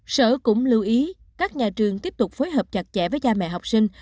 sở cũng lưu ý các nhà trường tiếp tục phối hợp chặt chẽ với cha mẹ học sinh